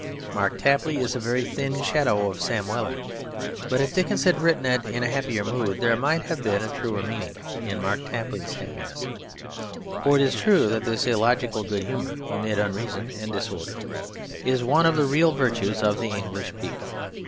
Mark Tapley is a very thin shadow of Sam Weller. But if Dickens had written it in a happier mood, there might have been a truer meaning in Mark Tapley's happiness. For it is true that this illogical good humour amid unreason and disorder is one of the real virtues of the English people.